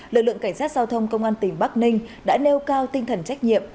lực lượng cảnh sát giao thông công an tỉnh bắc ninh đã nêu cao tinh thần trách nhiệm